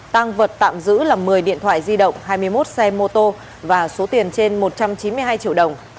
tăng vật tạm giữ là một mươi điện thoại di động hai mươi một xe mô tô và số tiền trên một trăm chín mươi hai triệu đồng